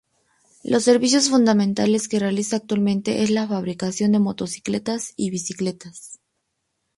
Los servicios fundamentales que realiza actualmente es la fabricación de motocicletas y bicicletas.